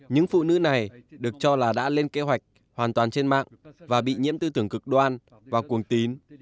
những phụ nữ này được cho là đã lên kế hoạch hoàn toàn trên mạng và bị nhiễm tư tưởng cực đoan và cuồng tín